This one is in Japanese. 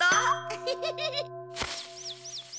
フフフフ。